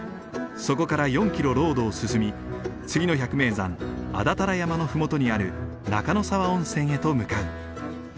そこから４キロロードを進み次の百名山安達太良山の麓にある中ノ沢温泉へと向かう。